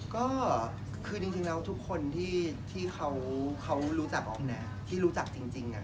ก็คือจริงแล้วทุกคนที่เขารู้จักออมเนี่ยที่รู้จักจริง